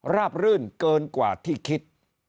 ราบรื่นเกินกว่าที่คิด